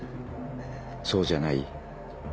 そうじゃない？